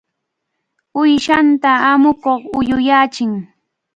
Uyshatam amuku uyuyachin.